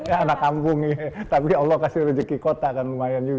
ya anak kampung ya tapi allah kasih rejeki kota kan lumayan juga